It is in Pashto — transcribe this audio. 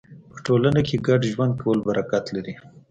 په ټولنه کې ګډ ژوند کول برکت لري.